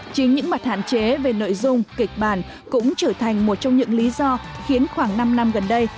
chính những mặt hạn chế về nội dung kịch bản cũng trở thành một trong những lý do khiến khoảng năm năm gần đây